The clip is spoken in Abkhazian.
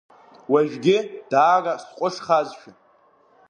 Уажәгьы даара сҟәышхазшәа…